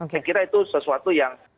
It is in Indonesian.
saya kira itu sesuatu yang